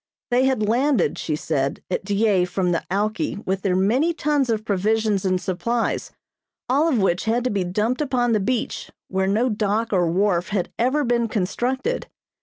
They had landed, she said, at Dyea from the "Alki" with their many tons of provisions and supplies, all of which had to be dumped upon the beach where no dock or wharf had ever been constructed.